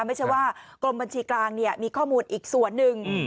ไม่ใช่ว่ากรมบัญชีกลางมีข้อมูลอีกส่วนหนึ่ง